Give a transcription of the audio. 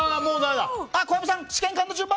小籔さん、試験管の順番。